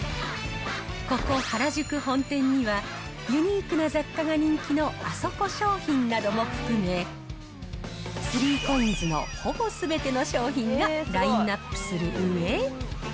ここ、原宿本店には、ユニークな雑貨が人気のアソコ商品なども含め、３コインズのほぼすべての商品がラインナップするうえ。